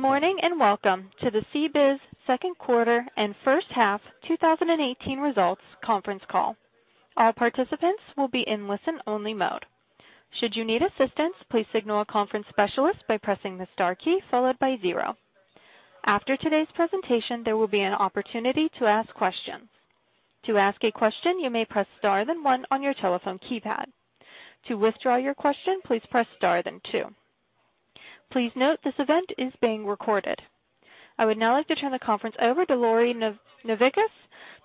Good morning, welcome to the CBIZ second quarter and first half 2018 results conference call. All participants will be in listen-only mode. Should you need assistance, please signal a conference specialist by pressing the star key followed by 0. After today's presentation, there will be an opportunity to ask questions. To ask a question, you may press star, then 1 on your telephone keypad. To withdraw your question, please press star, then 2. Please note this event is being recorded. I would now like to turn the conference over to Lori Novickis,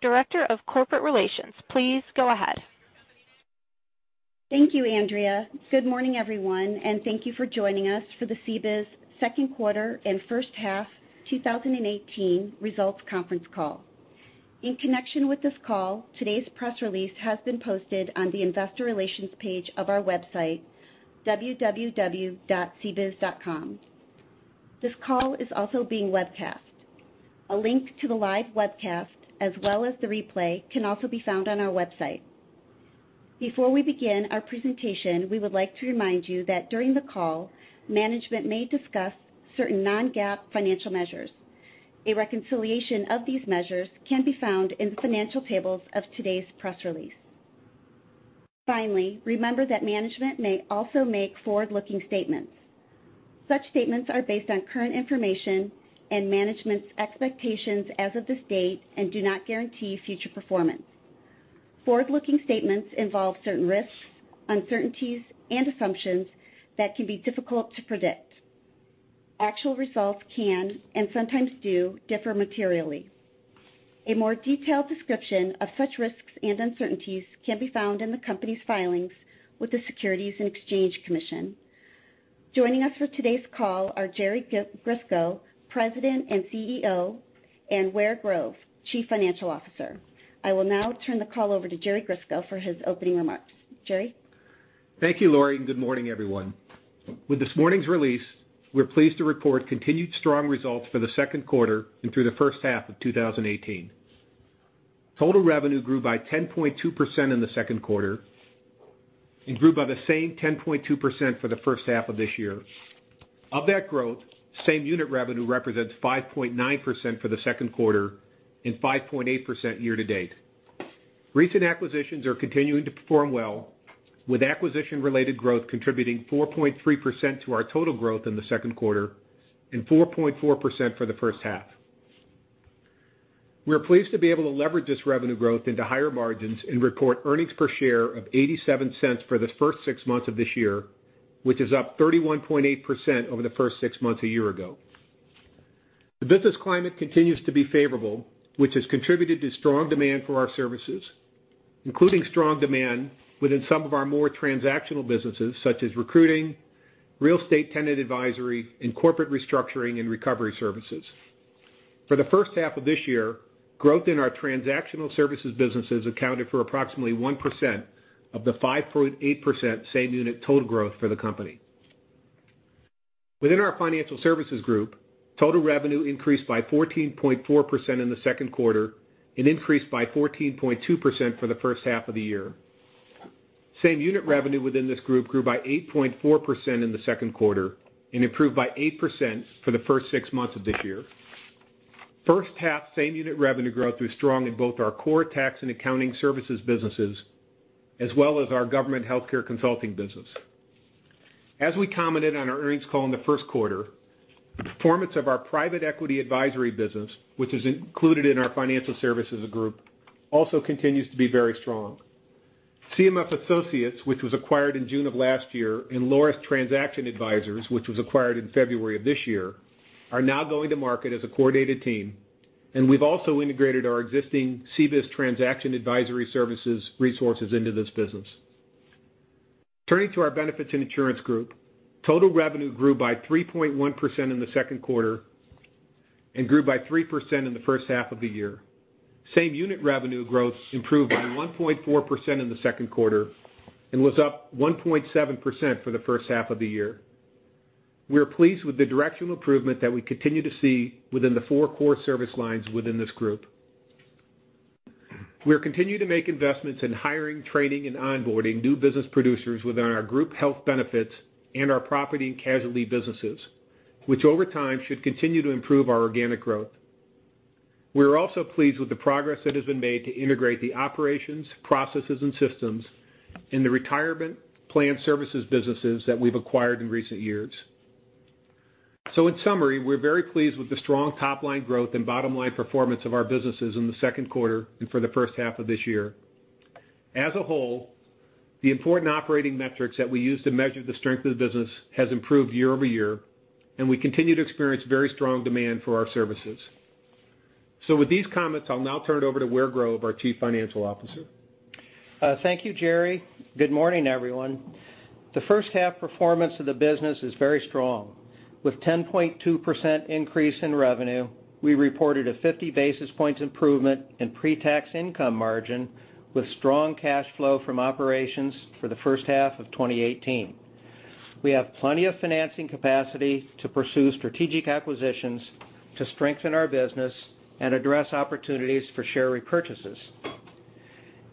Director of Corporate Relations. Please go ahead. Thank you, Andrea. Good morning, everyone, thank you for joining us for the CBIZ second quarter and first half 2018 results conference call. In connection with this call, today's press release has been posted on the investor relations page of our website, www.cbiz.com. This call is also being webcast. A link to the live webcast, as well as the replay, can also be found on our website. Before we begin our presentation, we would like to remind you that during the call, management may discuss certain non-GAAP financial measures. A reconciliation of these measures can be found in the financial tables of today's press release. Finally, remember that management may also make forward-looking statements. Such statements are based on current information and management's expectations as of this date and do not guarantee future performance. Forward-looking statements involve certain risks, uncertainties, and assumptions that can be difficult to predict. Actual results can, and sometimes do, differ materially. A more detailed description of such risks and uncertainties can be found in the company's filings with the Securities and Exchange Commission. Joining us for today's call are Jerry Grisko, President and CEO, and Ware Grove, Chief Financial Officer. I will now turn the call over to Jerry Grisko for his opening remarks. Jerry? Thank you, Lori. Good morning, everyone. With this morning's release, we're pleased to report continued strong results for the second quarter and through the first half of 2018. Total revenue grew by 10.2% in the second quarter and grew by the same 10.2% for the first half of this year. Of that growth, same-unit revenue represents 5.9% for the second quarter and 5.8% year-to-date. Recent acquisitions are continuing to perform well, with acquisition-related growth contributing 4.3% to our total growth in the second quarter and 4.4% for the first half. We are pleased to be able to leverage this revenue growth into higher margins and report earnings per share of $0.87 for the first six months of this year, which is up 31.8% over the first six months a year ago. The business climate continues to be favorable, which has contributed to strong demand for our services, including strong demand within some of our more transactional businesses, such as recruiting, real estate tenant advisory, and corporate restructuring and recovery services. For the first half of this year, growth in our transactional services businesses accounted for approximately 1% of the 5.8% same-unit total growth for the company. Within our financial services group, total revenue increased by 14.4% in the second quarter and increased by 14.2% for the first half of the year. Same-unit revenue within this group grew by 8.4% in the second quarter and improved by 8% for the first six months of this year. First half same-unit revenue growth was strong in both our core Tax and Accounting Services businesses, as well as our government healthcare consulting business. As we commented on our earnings call in the first quarter, performance of our private equity advisory business, which is included in our financial services group, also continues to be very strong. CMF Associates, which was acquired in June of last year, and Laurus Transaction Advisors, which was acquired in February of this year, are now going to market as a coordinated team, and we've also integrated our existing CBIZ Transaction Advisory Services resources into this business. Turning to our benefits and insurance group, total revenue grew by 3.1% in the second quarter and grew by 3% in the first half of the year. Same-unit revenue growth improved by 1.4% in the second quarter and was up 1.7% for the first half of the year. We are pleased with the directional improvement that we continue to see within the four core service lines within this group. We'll continue to make investments in hiring, training, and onboarding new business producers within our group health benefits and our property and casualty businesses, which over time should continue to improve our organic growth. We are also pleased with the progress that has been made to integrate the operations, processes, and systems in the retirement plan services businesses that we've acquired in recent years. In summary, we're very pleased with the strong top-line growth and bottom-line performance of our businesses in the second quarter and for the first half of this year. As a whole, the important operating metrics that we use to measure the strength of the business has improved year over year, and we continue to experience very strong demand for our services. With these comments, I'll now turn it over to Ware Grove, our Chief Financial Officer. Thank you, Jerry. Good morning, everyone. The first half performance of the business is very strong. With 10.2% increase in revenue, we reported a 50-basis point improvement in pre-tax income margin with strong cash flow from operations for the first half of 2018. We have plenty of financing capacity to pursue strategic acquisitions to strengthen our business and address opportunities for share repurchases.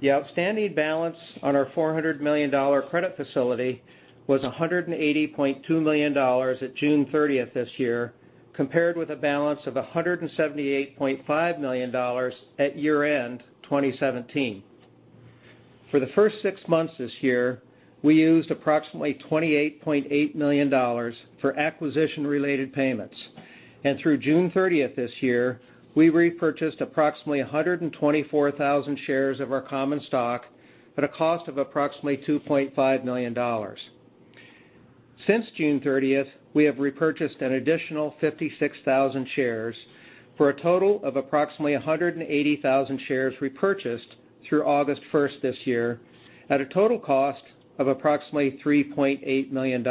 The outstanding balance on our $400 million credit facility was $180.2 million at June 30th this year, compared with a balance of $178.5 million at year-end 2017. For the first six months this year, we used approximately $28.8 million for acquisition-related payments. And through June 30th this year, we repurchased approximately 124,000 shares of our common stock at a cost of approximately $2.5 million. Since June 30th, we have repurchased an additional 56,000 shares for a total of approximately 180,000 shares repurchased through August 1st this year, at a total cost of approximately $3.8 million.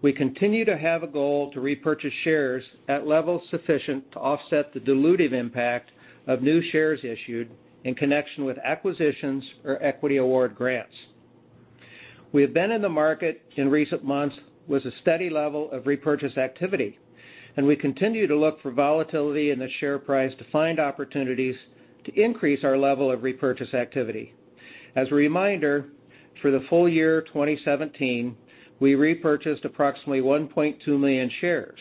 We continue to have a goal to repurchase shares at levels sufficient to offset the dilutive impact of new shares issued in connection with acquisitions or equity award grants. We have been in the market in recent months with a steady level of repurchase activity, and we continue to look for volatility in the share price to find opportunities to increase our level of repurchase activity. As a reminder, for the full year 2017, we repurchased approximately 1.2 million shares.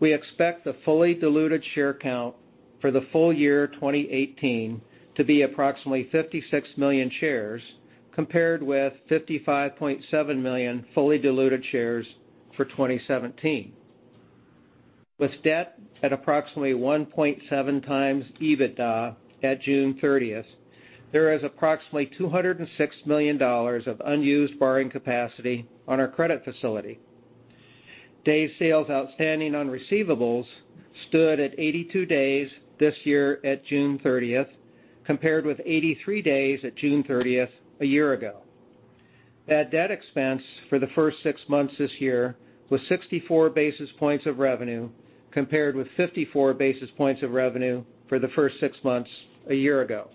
We expect the fully diluted share count for the full year 2018 to be approximately 56 million shares, compared with 55.7 million fully diluted shares for 2017. With debt at approximately 1.7 times EBITDA at June 30th, there is approximately $206 million of unused borrowing capacity on our credit facility. Days sales outstanding on receivables stood at 82 days this year at June 30th, compared with 83 days at June 30th a year ago. Bad debt expense for the first six months this year was 64 basis points of revenue, compared with 54 basis points of revenue for the first six months a year ago.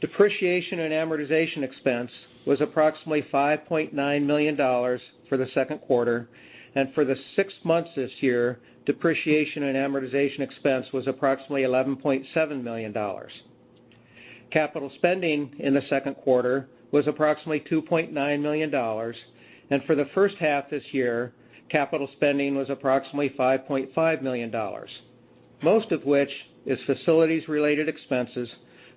Depreciation and amortization expense was approximately $5.9 million for the second quarter, and for the six months this year, depreciation and amortization expense was approximately $11.7 million. Capital spending in the second quarter was approximately $2.9 million, and for the first half this year, capital spending was approximately $5.5 million. Most of which is facilities-related expenses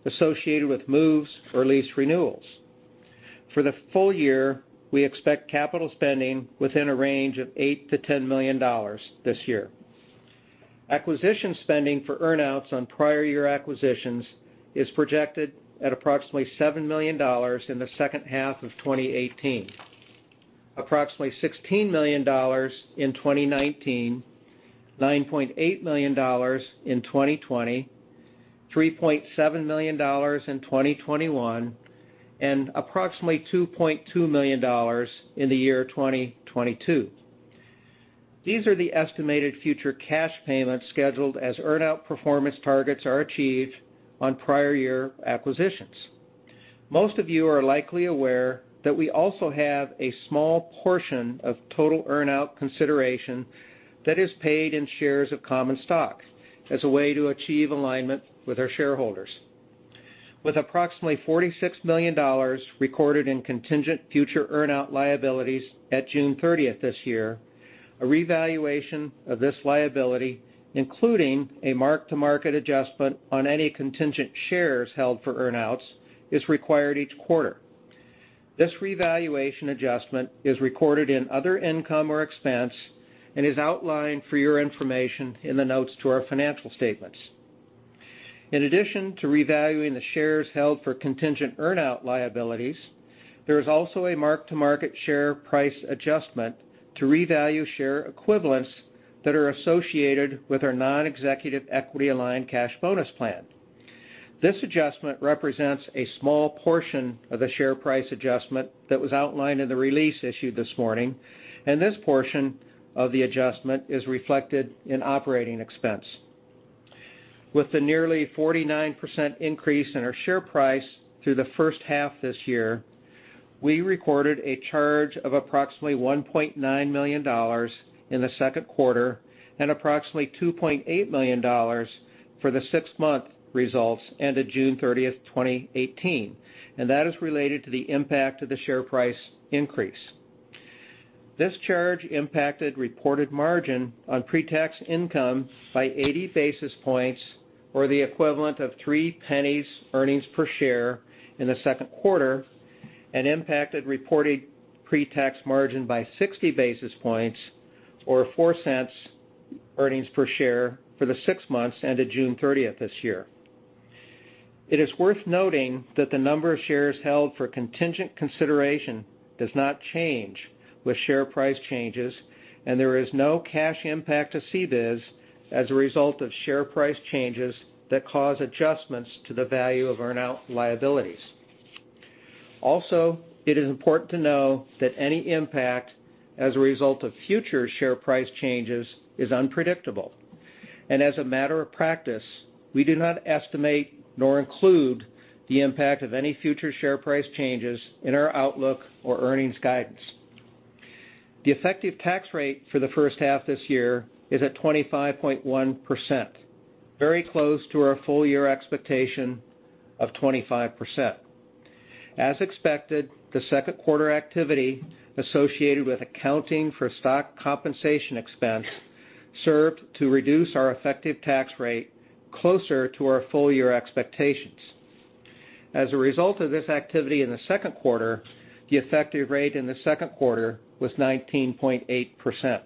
associated with moves or lease renewals. For the full year, we expect capital spending within a range of $8 million-$10 million this year. Acquisition spending for earn-outs on prior year acquisitions is projected at approximately $7 million in the second half of 2018. Approximately $16 million in 2019, $9.8 million in 2020, $3.7 million in 2021, and approximately $2.2 million in the year 2022. These are the estimated future cash payments scheduled as earn-out performance targets are achieved on prior year acquisitions. Most of you are likely aware that we also have a small portion of total earn-out consideration that is paid in shares of common stock as a way to achieve alignment with our shareholders. With approximately $46 million recorded in contingent future earn-out liabilities at June 30th this year, a revaluation of this liability, including a mark-to-market adjustment on any contingent shares held for earn-outs, is required each quarter. This revaluation adjustment is recorded in other income or expense and is outlined for your information in the notes to our financial statements. In addition to revaluing the shares held for contingent earn-out liabilities, there is also a mark-to-market share price adjustment to revalue share equivalents that are associated with our non-executive equity-aligned cash bonus plan. This adjustment represents a small portion of the share price adjustment that was outlined in the release issued this morning, and this portion of the adjustment is reflected in operating expense. With the nearly 49% increase in our share price through the first half this year, we recorded a charge of approximately $1.9 million in the second quarter and approximately $2.8 million for the six-month results ended June 30th, 2018, and that is related to the impact of the share price increase. This charge impacted reported margin on pre-tax income by 80 basis points, or the equivalent of $0.03 earnings per share in the second quarter, and impacted reported pre-tax margin by 60 basis points or $0.04 earnings per share for the six months ended June 30th this year. It is worth noting that the number of shares held for contingent consideration does not change with share price changes, and there is no cash impact to CBIZ as a result of share price changes that cause adjustments to the value of earn-out liabilities. Also, it is important to know that any impact as a result of future share price changes is unpredictable. As a matter of practice, we do not estimate nor include the impact of any future share price changes in our outlook or earnings guidance. The effective tax rate for the first half this year is at 25.1%, very close to our full year expectation of 25%. As expected, the second quarter activity associated with accounting for stock compensation expense served to reduce our effective tax rate closer to our full year expectations. As a result of this activity in the second quarter, the effective rate in the second quarter was 19.8%.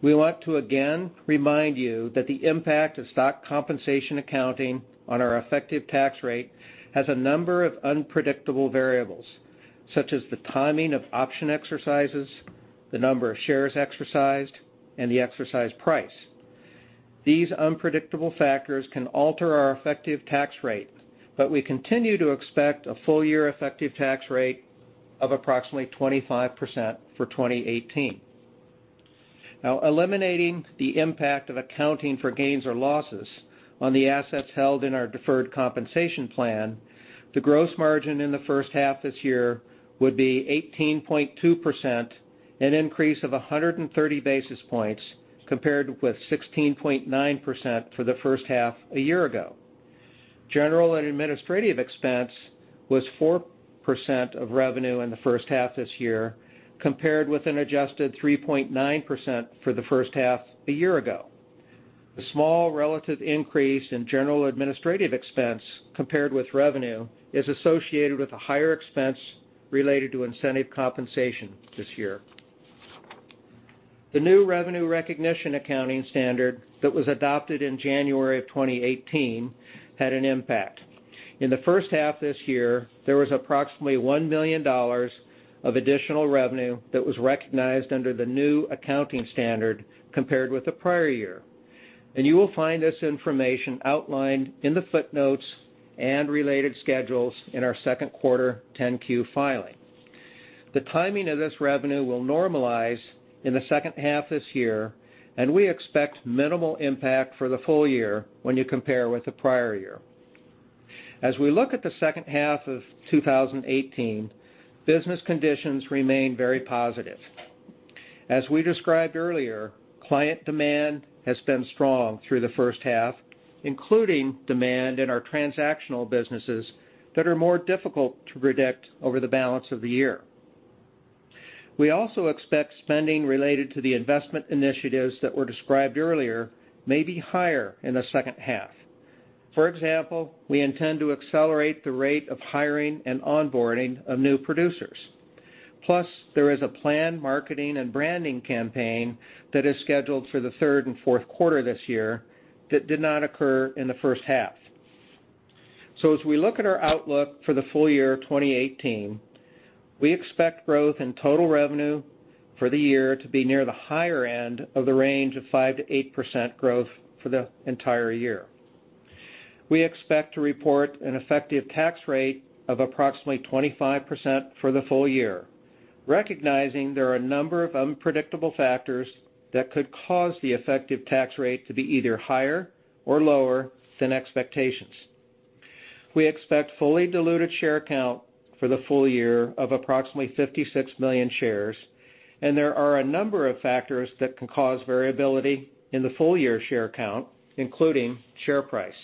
We want to again remind you that the impact of stock compensation accounting on our effective tax rate has a number of unpredictable variables, such as the timing of option exercises, the number of shares exercised, and the exercise price. These unpredictable factors can alter our effective tax rate, but we continue to expect a full year effective tax rate of approximately 25% for 2018. Eliminating the impact of accounting for gains or losses on the assets held in our deferred compensation plan, the gross margin in the first half this year would be 18.2%, an increase of 130 basis points compared with 16.9% for the first half a year ago. General and administrative expense was 4% of revenue in the first half this year, compared with an adjusted 3.9% for the first half a year ago. The small relative increase in general administrative expense compared with revenue is associated with a higher expense related to incentive compensation this year. The new revenue recognition accounting standard that was adopted in January of 2018 had an impact. In the first half this year, there was approximately $1 million of additional revenue that was recognized under the new accounting standard compared with the prior year. You will find this information outlined in the footnotes and related schedules in our second quarter 10-Q filing. The timing of this revenue will normalize in the second half this year, and we expect minimal impact for the full year when you compare with the prior year. As we look at the second half of 2018, business conditions remain very positive. As we described earlier, client demand has been strong through the first half, including demand in our transactional businesses that are more difficult to predict over the balance of the year. We also expect spending related to the investment initiatives that were described earlier may be higher in the second half. For example, we intend to accelerate the rate of hiring and onboarding of new producers. There is a planned marketing and branding campaign that is scheduled for the third and fourth quarter this year that did not occur in the first half. As we look at our outlook for the full year 2018, we expect growth in total revenue for the year to be near the higher end of the range of 5%-8% growth for the entire year. We expect to report an effective tax rate of approximately 25% for the full year, recognizing there are a number of unpredictable factors that could cause the effective tax rate to be either higher or lower than expectations. We expect fully diluted share count for the full year of approximately 56 million shares, there are a number of factors that can cause variability in the full year share count, including share price.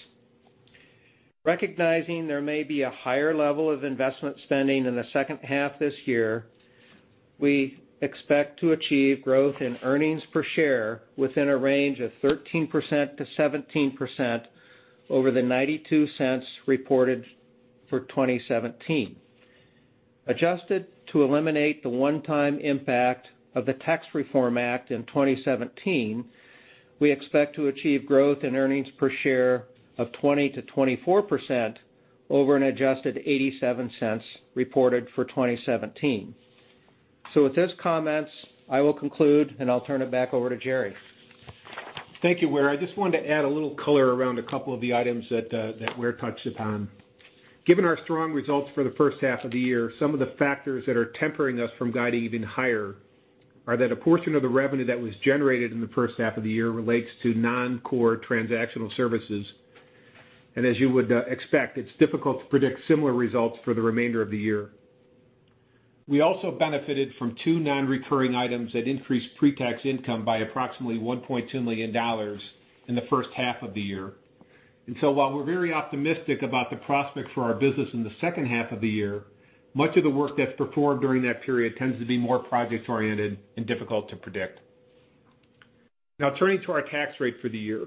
Recognizing there may be a higher level of investment spending in the second half this year, we expect to achieve growth in earnings per share within a range of 13%-17% over the $0.92 reported for 2017. Adjusted to eliminate the one-time impact of the Tax Reform Act in 2017, we expect to achieve growth in earnings per share of 20%-24% over an adjusted $0.87 reported for 2017. With those comments, I will conclude, and I'll turn it back over to Jerry. Thank you, Ware. I just wanted to add a little color around a couple of the items that Ware touched upon. Given our strong results for the first half of the year, some of the factors that are tempering us from guiding even higher are that a portion of the revenue that was generated in the first half of the year relates to non-core transactional services, and as you would expect, it's difficult to predict similar results for the remainder of the year. We also benefited from two non-recurring items that increased pre-tax income by approximately $1.2 million in the first half of the year. While we're very optimistic about the prospect for our business in the second half of the year, much of the work that's performed during that period tends to be more project-oriented and difficult to predict. Turning to our tax rate for the year.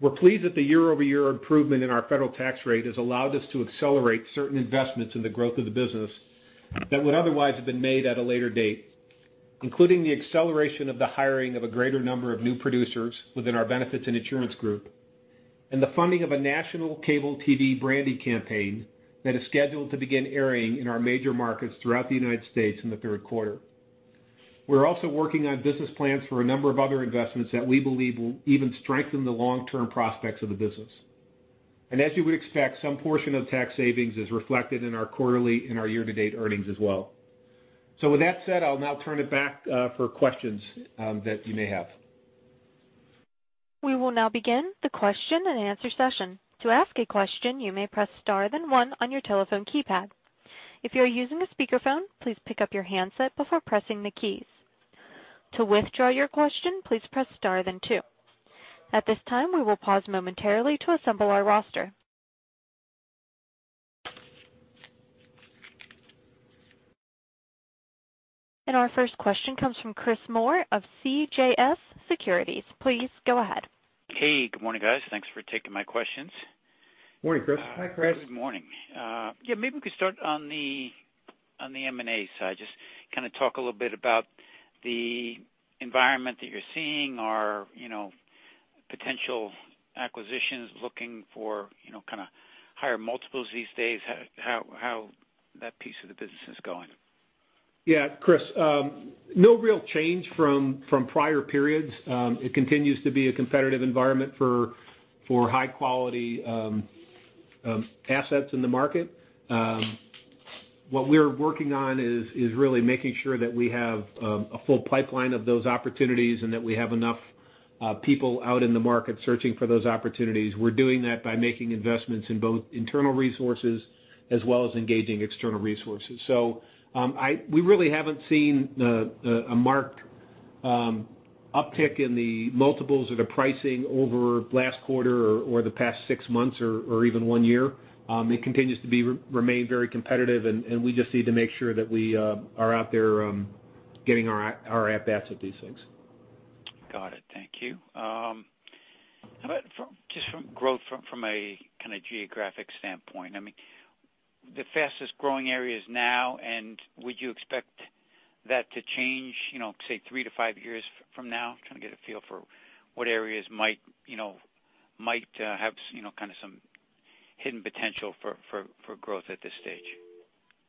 We're pleased that the year-over-year improvement in our federal tax rate has allowed us to accelerate certain investments in the growth of the business that would otherwise have been made at a later date, including the acceleration of the hiring of a greater number of new producers within our benefits and insurance group, and the funding of a national cable TV branding campaign that is scheduled to begin airing in our major markets throughout the U.S. in the third quarter. We're also working on business plans for a number of other investments that we believe will even strengthen the long-term prospects of the business. As you would expect, some portion of tax savings is reflected in our quarterly and our year-to-date earnings as well. With that said, I'll now turn it back for questions that you may have. We will now begin the question and answer session. To ask a question, you may press star then one on your telephone keypad. If you're using a speakerphone, please pick up your handset before pressing the keys. To withdraw your question, please press star then two. At this time, we will pause momentarily to assemble our roster. Our first question comes from Chris Moore of CJS Securities. Please go ahead. Hey, good morning, guys. Thanks for taking my questions. Morning, Chris. Hi, Chris. Good morning. Yeah, maybe we could start on the M&A side. Just talk a little bit about the environment that you're seeing or potential acquisitions looking for higher multiples these days, how that piece of the business is going. Yeah. Chris, no real change from prior periods. It continues to be a competitive environment for high-quality assets in the market. What we're working on is really making sure that we have a full pipeline of those opportunities and that we have enough people out in the market searching for those opportunities. We're doing that by making investments in both internal resources as well as engaging external resources. We really haven't seen a marked uptick in the multiples or the pricing over last quarter or the past six months or even one year. It continues to remain very competitive, and we just need to make sure that we are out there getting our at-bats with these things. Got it. Thank you. How about just from growth from a geographic standpoint? The fastest-growing areas now, and would you expect that to change, say, three to five years from now? Trying to get a feel for what areas might have some hidden potential for growth at this stage.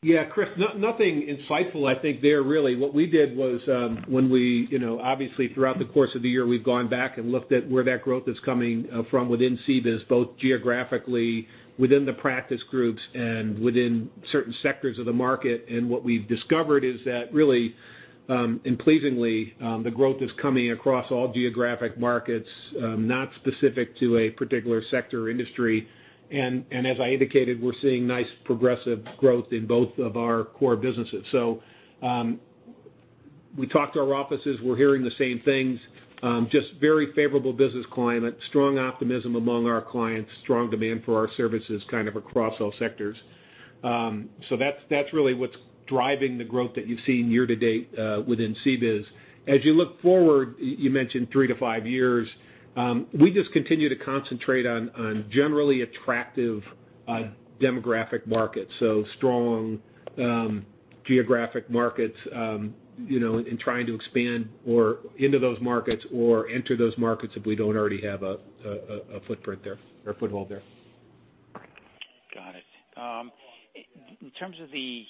Yeah, Chris, nothing insightful I think there, really. What we did was, obviously, throughout the course of the year, we've gone back and looked at where that growth is coming from within CBIZ, both geographically within the practice groups and within certain sectors of the market. What we've discovered is that really, and pleasingly, the growth is coming across all geographic markets, not specific to a particular sector or industry. As I indicated, we're seeing nice progressive growth in both of our core businesses. We talked to our offices. We're hearing the same things. Just very favorable business climate, strong optimism among our clients, strong demand for our services across all sectors. That's really what's driving the growth that you've seen year to date within CBIZ. As you look forward, you mentioned three to five years, we just continue to concentrate on generally attractive demographic markets, strong geographic markets, and trying to expand into those markets or enter those markets if we don't already have a footprint there or foothold there. Got it. In terms of the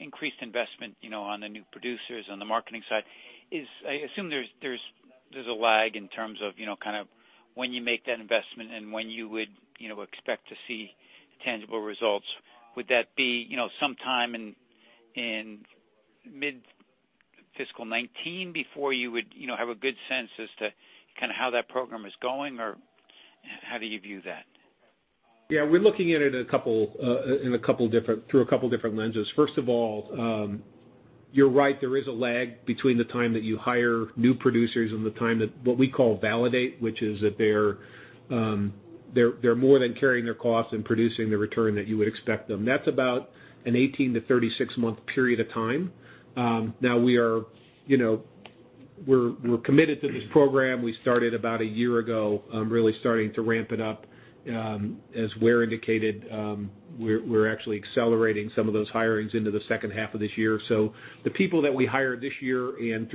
increased investment on the new producers on the marketing side, I assume there's a lag in terms of when you make that investment and when you would expect to see tangible results. Would that be sometime in mid-fiscal 2019 before you would have a good sense as to how that program is going? Or how do you view that? Yeah. We're looking at it through a couple different lenses. First of all, you're right, there is a lag between the time that you hire new producers and the time that what we call validate, which is that they're more than carrying their costs and producing the return that you would expect them. That's about an 18 to 36 month period of time. We're committed to this program. We started about a year ago, really starting to ramp it up. As Ware indicated, we're actually accelerating some of those hirings into the second half of this year. The people that we hire this year and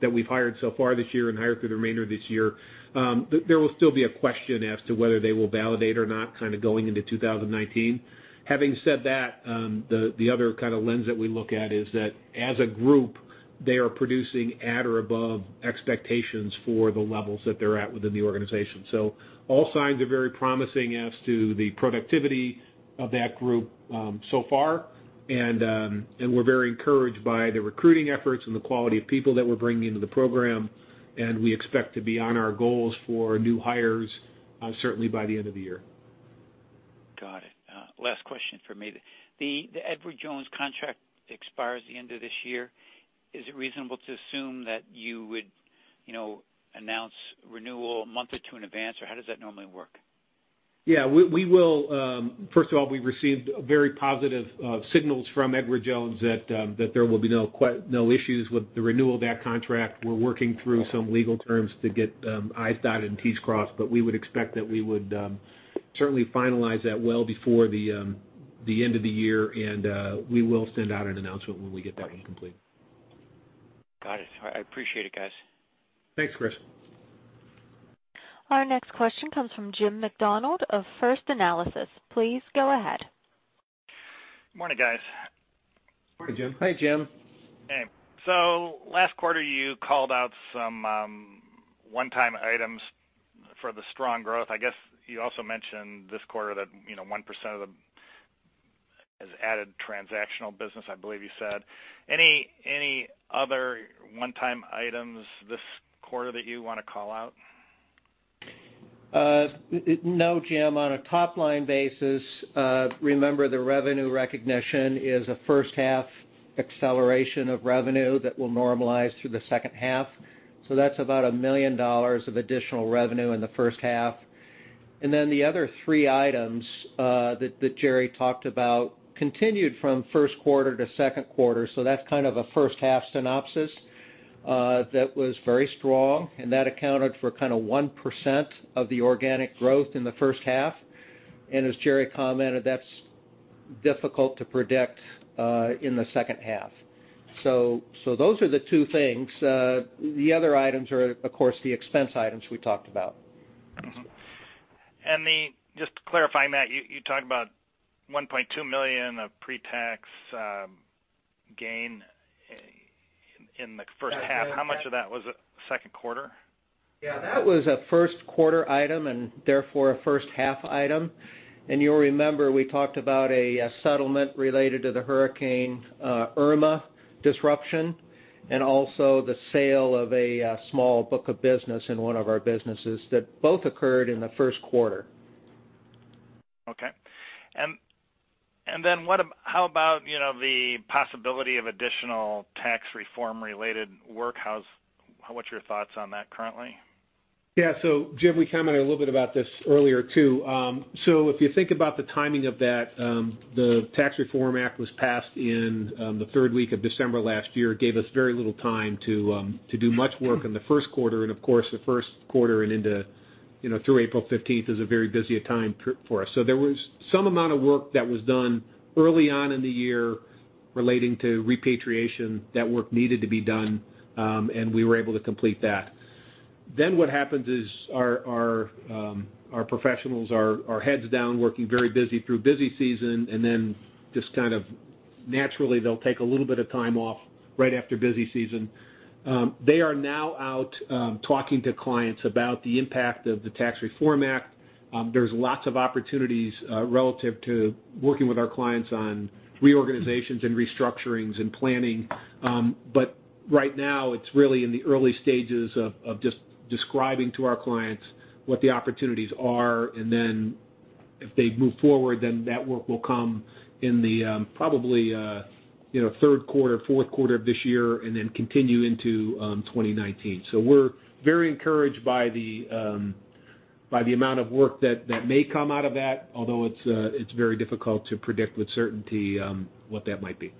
that we've hired so far this year and hire through the remainder of this year, there will still be a question as to whether they will validate or not going into 2019. Having said that, the other kind of lens that we look at is that as a group, they are producing at or above expectations for the levels that they're at within the organization. All signs are very promising as to the productivity of that group so far. We're very encouraged by the recruiting efforts and the quality of people that we're bringing into the program. We expect to be on our goals for new hires certainly by the end of the year. Got it. Last question for me. The Edward Jones contract expires the end of this year. Is it reasonable to assume that you would announce renewal a month or two in advance? How does that normally work? Yeah. First of all, we received very positive signals from Edward Jones that there will be no issues with the renewal of that contract. We're working through some legal terms to get i's dotted and t's crossed, we would expect that we would certainly finalize that well before the end of the year. We will send out an announcement when we get that one complete. Got it. I appreciate it, guys. Thanks, Chris. Our next question comes from Jim Macdonald of First Analysis. Please go ahead. Morning, guys. Morning, Jim. Hey, Jim. Last quarter, you called out some one-time items for the strong growth. I guess you also mentioned this quarter that 1% of the TAS added transactional business, I believe you said. Any other one-time items this quarter that you want to call out? No, Jim. On a top-line basis, remember the revenue recognition is a first-half acceleration of revenue that will normalize through the second half. That's about $1 million of additional revenue in the first half. The other three items that Jerry talked about continued from first quarter to second quarter. That's kind of a first-half synopsis that was very strong, and that accounted for 1% of the organic growth in the first half. As Jerry commented, that's difficult to predict in the second half. Those are the two things. The other items are, of course, the expense items we talked about. Just to clarify, Ware, you talked about $1.2 million of pre-tax gain in the first half. How much of that was second quarter? Yeah. That was a first quarter item and therefore a first half item. You'll remember we talked about a settlement related to the Hurricane Irma disruption, and also the sale of a small book of business in one of our businesses that both occurred in the first quarter. Okay. How about the possibility of additional Tax Reform-related work? What's your thoughts on that currently? Yeah. Jim, we commented a little bit about this earlier, too. If you think about the timing of that, the Tax Reform Act was passed in the third week of December last year. It gave us very little time to do much work in the first quarter. Of course, the first quarter and through April 15th is a very busy time for us. There was some amount of work that was done early on in the year relating to repatriation. That work needed to be done, and we were able to complete that. What happens is our professionals are heads down, working very busy through busy season, and then just kind of naturally, they'll take a little bit of time off right after busy season. They are now out talking to clients about the impact of the Tax Reform Act. There's lots of opportunities relative to working with our clients on reorganizations and restructurings and planning. Right now it's really in the early stages of just describing to our clients what the opportunities are, and then if they move forward, that work will come in the probably third quarter, fourth quarter of this year and then continue into 2019. We're very encouraged by the amount of work that may come out of that, although it's very difficult to predict with certainty what that might be.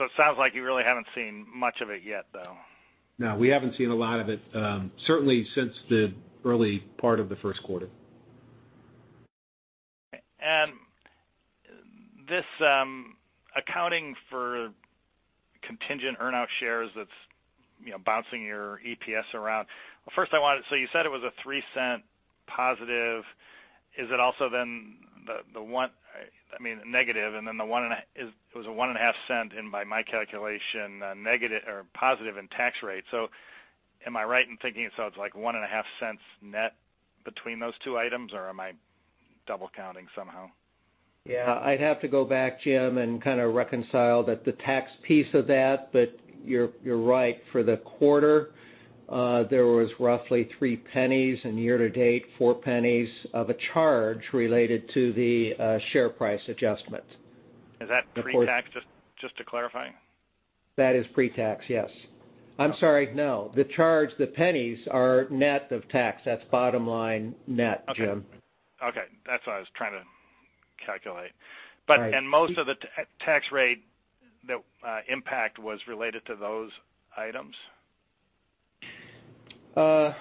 It sounds like you really haven't seen much of it yet, though. No, we haven't seen a lot of it, certainly since the early part of the first quarter. This accounting for contingent earn-out shares that's bouncing your EPS around. Well, first I want to. You said it was a $0.03 positive. Is it also then the one. I mean, negative, and then it was a $0.015 in my calculation, positive in tax rate. Am I right in thinking, it's like $0.015 net between those two items, or am I double counting somehow? Yeah. I'd have to go back, Jim, and kind of reconcile the tax piece of that. You're right. For the quarter, there was roughly $0.03 and year to date, $0.04 of a charge related to the share price adjustment. Is that pre-tax, just to clarify? That is pre-tax, yes. I'm sorry. No. The charge, the pennies are net of tax. That's bottom line net, Jim. Okay. That's what I was trying to calculate. Right. Most of the tax rate impact was related to those items? No.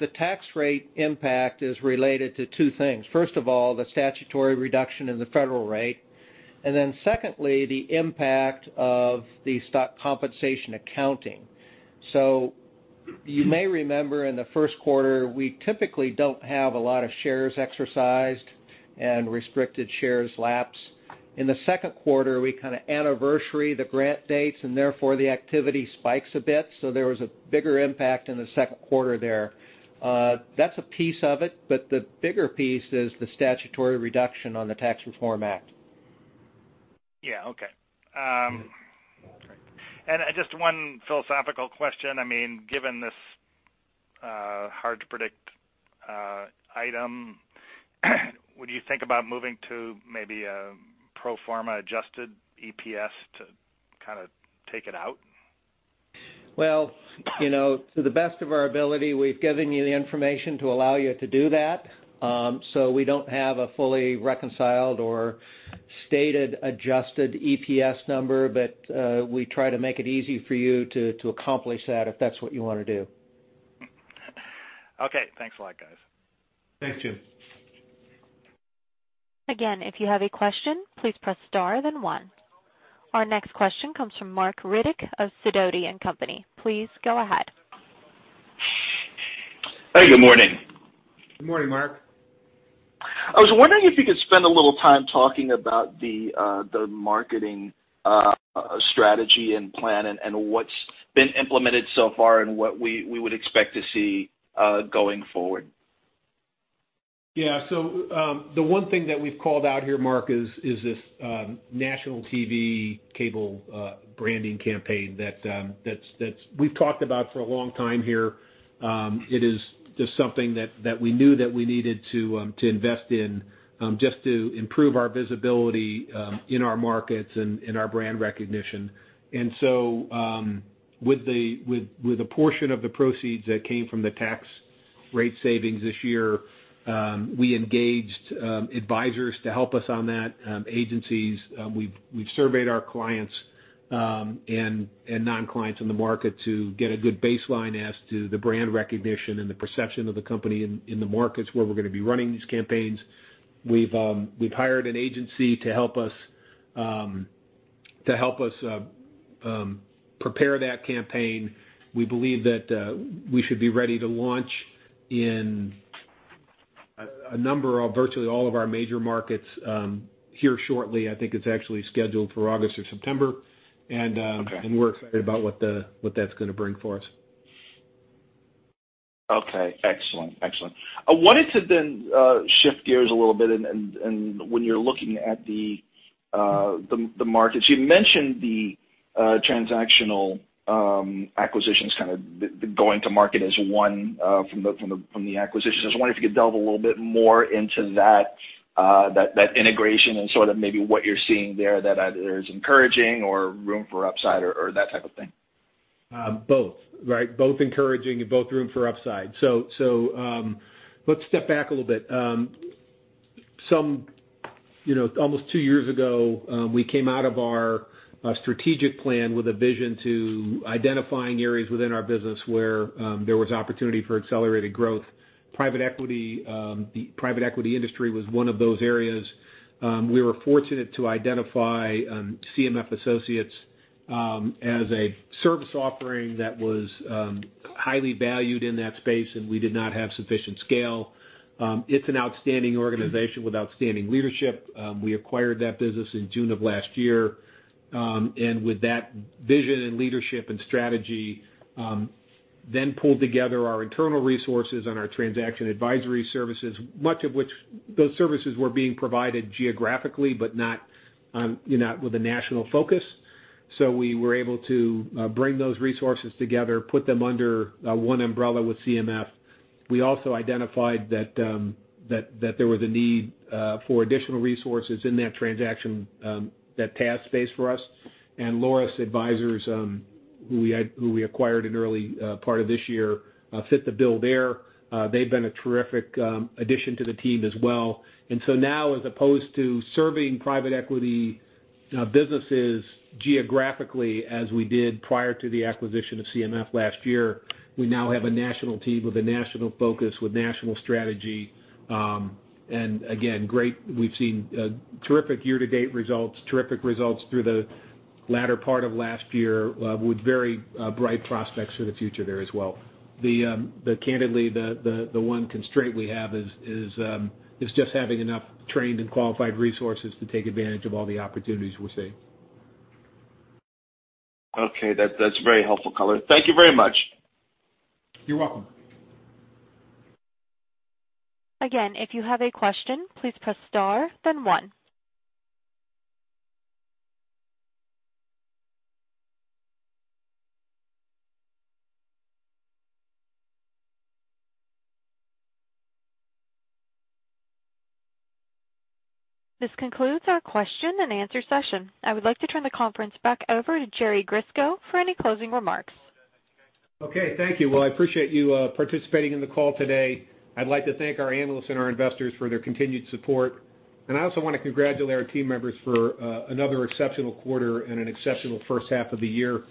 The tax rate impact is related to two things. First of all, the statutory reduction in the federal rate, Secondly, the impact of the stock compensation accounting. You may remember in the first quarter, we typically don't have a lot of shares exercised and restricted shares lapse. In the second quarter, we kind of anniversary the grant dates, and therefore the activity spikes a bit. There was a bigger impact in the second quarter there. That's a piece of it, the bigger piece is the statutory reduction on the Tax Reform Act. Yeah. Okay. Just one philosophical question. Given this hard-to-predict item, would you think about moving to maybe a pro forma adjusted EPS to kind of take it out? Well, to the best of our ability, we've given you the information to allow you to do that. We don't have a fully reconciled or stated adjusted EPS number, we try to make it easy for you to accomplish that if that's what you want to do. Okay. Thanks a lot, guys. Thanks, Jim. Again, if you have a question, please press star then one. Our next question comes from Marc Riddick of Sidoti & Company. Please go ahead. Hey, good morning. Good morning, Marc. I was wondering if you could spend a little time talking about the marketing strategy and plan and what's been implemented so far and what we would expect to see going forward. Yeah. The one thing that we've called out here, Marc, is this national TV cable branding campaign that we've talked about for a long time here. It is just something that we knew that we needed to invest in, just to improve our visibility in our markets and our brand recognition. With a portion of the proceeds that came from the tax rate savings this year, we engaged advisors to help us on that, agencies. We've surveyed our clients and non-clients in the market to get a good baseline as to the brand recognition and the perception of the company in the markets where we're going to be running these campaigns. We've hired an agency to help us prepare that campaign. We believe that we should be ready to launch in a number of virtually all of our major markets, here shortly. I think it's actually scheduled for August or September. Okay. We're excited about what that's going to bring for us. Okay. Excellent. I wanted to then shift gears a little bit. When you're looking at the markets, you mentioned the transactional acquisitions kind of going to market as one from the acquisitions. I was wondering if you could delve a little bit more into that integration and sort of maybe what you're seeing there that either is encouraging or room for upside or that type of thing. Both, right? Both encouraging and both room for upside. Let's step back a little bit. Almost two years ago, we came out of our strategic plan with a vision to identifying areas within our business where there was opportunity for accelerated growth. The private equity industry was one of those areas. We were fortunate to identify CMF Associates, as a service offering that was highly valued in that space, and we did not have sufficient scale. It's an outstanding organization with outstanding leadership. We acquired that business in June of last year. With that vision and leadership and strategy, then pulled together our internal resources and our transaction advisory services, much of which those services were being provided geographically, but not with a national focus. We were able to bring those resources together, put them under one umbrella with CMF. We also identified that there was a need for additional resources in that transaction, that TAS space for us. Laurus Transaction Advisors, who we acquired in early part of this year, fit the bill there. They've been a terrific addition to the team as well. Now, as opposed to serving private equity businesses geographically as we did prior to the acquisition of CMF last year, we now have a national team with a national focus with national strategy. Again, we've seen terrific year-to-date results, terrific results through the latter part of last year, with very bright prospects for the future there as well. Candidly, the one constraint we have is just having enough trained and qualified resources to take advantage of all the opportunities we're seeing. Okay. That's very helpful color. Thank you very much. You're welcome. Again, if you have a question, please press star then one. This concludes our question and answer session. I would like to turn the conference back over to Jerry Grisko for any closing remarks. Okay, thank you. Well, I appreciate you participating in the call today. I'd like to thank our analysts and our investors for their continued support. I also want to congratulate our team members for another exceptional quarter and an exceptional first half of the year.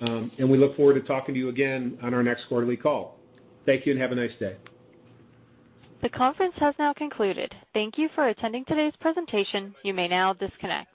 We look forward to talking to you again on our next quarterly call. Thank you and have a nice day. The conference has now concluded. Thank you for attending today's presentation. You may now disconnect.